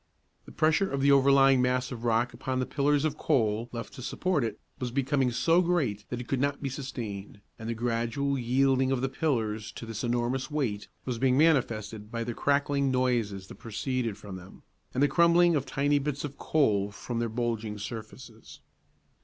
The pressure of the overlying mass of rock upon the pillars of coal left to support it was becoming so great that it could not be sustained, and the gradual yielding of the pillars to this enormous weight was being manifested by the crackling noises that proceeded from them, and the crumbling of tiny bits of coal from their bulging surfaces.